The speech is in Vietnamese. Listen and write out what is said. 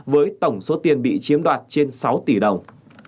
với tổng số tiền bị chiếm đoạt trên sáu tỷ đồng